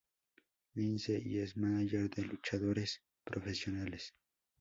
Lince" y es mánager de luchadores profesionales.